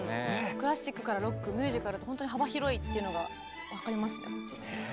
クラシックからロックミュージカルとほんとに幅広いっていうのが分かりますね。